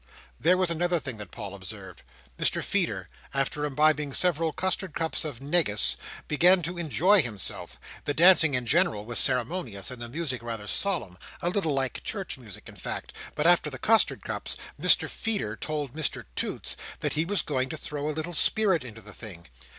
There was another thing that Paul observed. Mr Feeder, after imbibing several custard cups of negus, began to enjoy himself. The dancing in general was ceremonious, and the music rather solemn—a little like church music in fact—but after the custard cups, Mr Feeder told Mr Toots that he was going to throw a little spirit into the thing.